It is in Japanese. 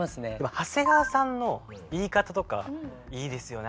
長谷川さんの言い方とかいいですよね。